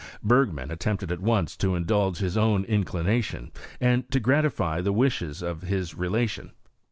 Bergman attempted at once to indulge his own in ination, and to gratify the wishes of his relation.